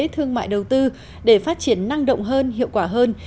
thương mại đầu tư để phát triển năng động hơn hiệu quả hơn